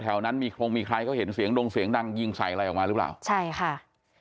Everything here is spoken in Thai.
แถวนั้นมีโครงมีใครเขาเห็นเสียงดงเสียงดังยิงใส่อะไรออกมาหรือเปล่าใช่ค่ะ